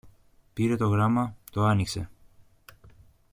Πήρε το γράμμα, το άνοιξε